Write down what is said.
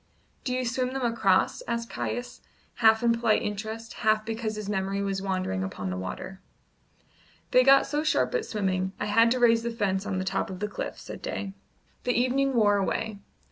"Do you swim them across?" asked Caius, half in polite interest, half because his memory was wandering upon the water. "They got so sharp at swimming, I had to raise the fence on the top of the cliff," said Day. The evening wore away.